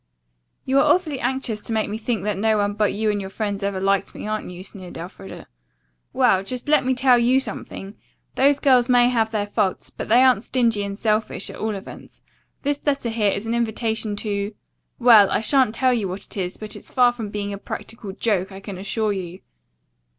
"You are awfully anxious to make me think that no one but you and your friends ever liked me, aren't you?" sneered Elfreda. "Well, just let me tell you something. Those girls may have their faults, but they aren't stingy and selfish, at all events. This letter here is an invitation to , well, I shan't tell you what it is, but it's far from being a practical joke, I can assure you."